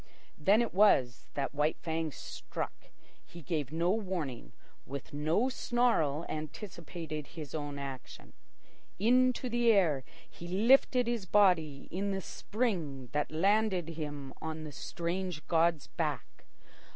Then it was that White Fang struck. He gave no warning, with no snarl anticipated his own action. Into the air he lifted his body in the spring that landed him on the strange god's back.